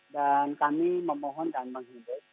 dan kami memohon dan menghidup